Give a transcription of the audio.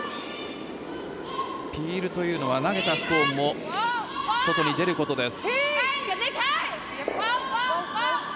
ピールというのは投げたストーンも外に出ることです。